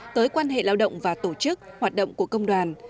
tới quan hệ lao động và tổ chức hoạt động của công đoàn